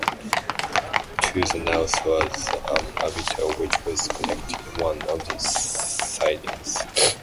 To the north was an abattoir which was connected to one of the sidings.